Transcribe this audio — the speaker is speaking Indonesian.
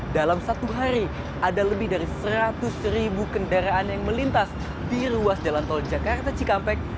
dalam satu hari ada lebih dari seratus ribu kendaraan yang melintas di ruas jalan tol jakarta cikampek